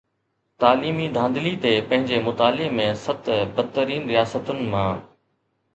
تعليمي ڌانڌلي تي پنهنجي مطالعي ۾ ست بدترين رياستن مان